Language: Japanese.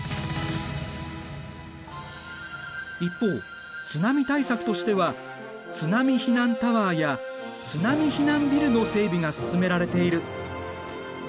一方津波対策としては津波避難タワーや津波避難ビルの整備が進められている。